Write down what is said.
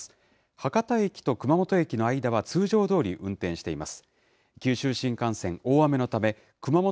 博多駅と熊本駅の間は通常どおり運転しています。